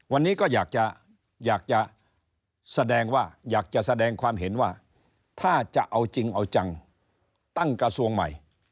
วันนี้ก็อยากจะอยากจะแสดงว่าอยากจะแสดงความเห็นว่าถ้าจะเอาจริงเอาจังตั้งกระทรวงใหม่